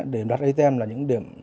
để đặt atm là những điểm